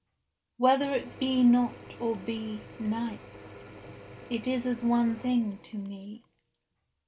— Whether it be not or be Night, is as one thing to me.